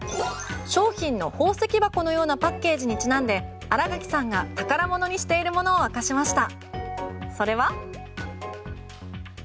商品の宝石箱のようなパッケージにちなんで新垣さんが宝物にしているものを明かしました。